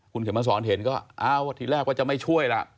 คุณเคยมาสอนเห็นก็เราที่แรกก็จะไม่ช่วยแล้ว